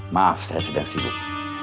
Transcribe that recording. maaf saya sedang sibuk